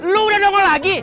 lu udah dongol lagi